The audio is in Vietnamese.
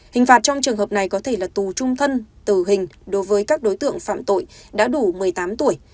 hình phạt trong trường hợp này có thể là tù trung thân tử hình đối với các đối tượng phạm tội đã đủ một mươi tám tuổi